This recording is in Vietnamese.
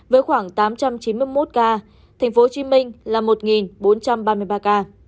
với khoảng tám trăm chín mươi một ca thành phố hồ chí minh là một bốn trăm ba mươi ba ca